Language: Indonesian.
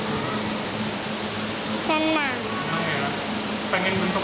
tapi sama nggak abis bisa dibuat stroller yang bisa dibuat rumah